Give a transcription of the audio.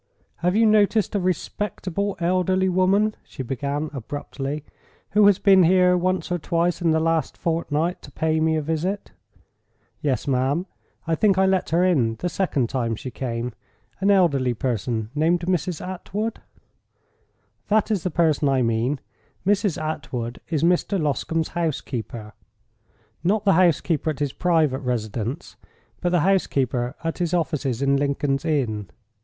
"Have you noticed a respectable elderly woman," she began, abruptly, "who has been here once or twice in the last fortnight to pay me a visit?" "Yes, ma'am; I think I let her in the second time she came. An elderly person named Mrs. Attwood?" "That is the person I mean. Mrs. Attwood is Mr. Loscombe's housekeeper; not the housekeeper at his private residence, but the housekeeper at his offices in Lincoln's Inn.